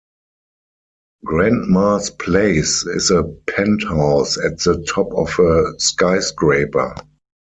Grandma's place is a penthouse at the top of a skyscraper.